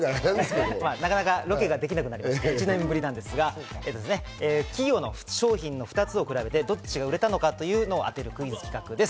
なかなかロケができなくなりまして１年ぶりなんですが、企業の商品の２つを比べて、どっちが売れたのかというのを当てるクイズ企画です。